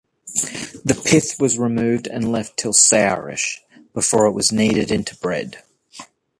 The pith was removed and left till sourish, before it was kneaded into bread.